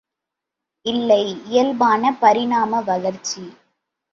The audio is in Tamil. இல்லை இயல்பான பரிணாம வளர்ச்சி!